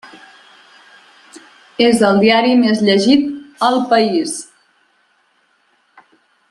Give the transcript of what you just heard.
És el diari més llegit al país.